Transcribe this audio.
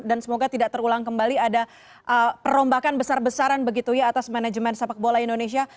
dan semoga tidak terulang kembali ada perombakan besar besaran begitu ya atas manajemen sepak bola indonesia